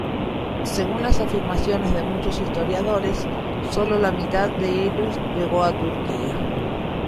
Según las afirmaciones de muchos historiadores, sólo la mitad de ellos llegó a Turquía.